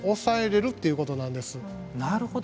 なるほど。